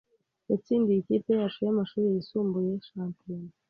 yatsindiye ikipe yacu y'amashuri yisumbuye shampiyona.